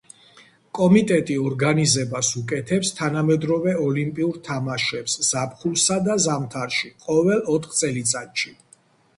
კომიტეტი ორგანიზებას უკეთებს თანამედროვე ოლიმპიურ თამაშებს ზაფხულსა და ზამთარში, ყოველ ოთხ წელიწადში.